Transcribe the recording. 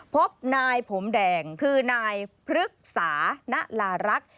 พบนายผมแดงคือนายพฤกษาณลารักษ์